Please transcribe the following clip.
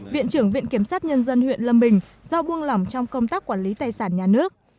viện trưởng viện kiểm sát nhân dân huyện lâm bình do buông lỏng trong công tác quản lý tài sản nhà nước